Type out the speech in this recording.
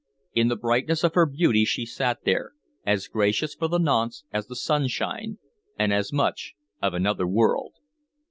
In the brightness of her beauty she sat there, as gracious for the nonce as the sunshine, and as much of another world.